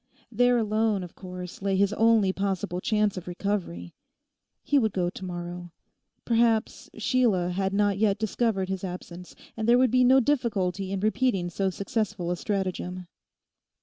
There alone, of course, lay his only possible chance of recovery. He would go to morrow. Perhaps Sheila had not yet discovered his absence; and there would be no difficulty in repeating so successful a stratagem.